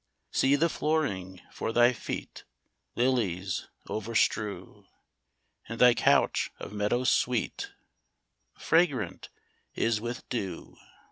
See the flooring for thy feet Lilies over strew, And thy couch of meadow sweet Fragrant is with dew